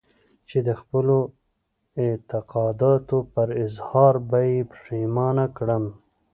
چې د خپلو اعتقاداتو پر اظهار به يې پښېمانه کړم.